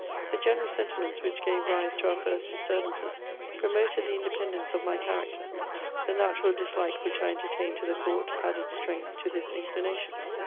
The generous sentiments which gave rise to our first disturbances promoted the independence of my character ; the natural dislike which I entertained to the Court added strength to this inclination.